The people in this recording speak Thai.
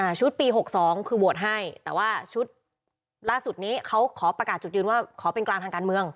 ชุดปีหกสองคือโหวตให้แต่ว่าชุดล่าสุดนี้เขาขอประกาศจุดยืนว่าขอเป็นกลางทางการเมือง